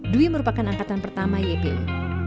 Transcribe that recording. dwi merupakan angkatan pertama ypu